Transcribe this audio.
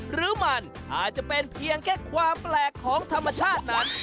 หรือมันอาจจะเป็นเพียงแค่ความแปลกของธรรมชาตินั้น